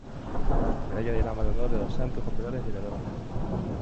Medalla de Dama de Honor de los Santos Corporales de Daroca.